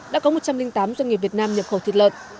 đã có một trăm linh tám doanh nghiệp việt nam nhập khẩu thịt lợn